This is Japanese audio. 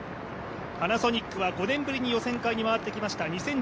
パナソニックは５年ぶりに予選会に回ってきました。